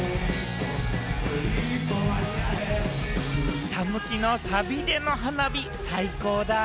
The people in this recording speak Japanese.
『ひたむき』のサビでの花火、最高だ。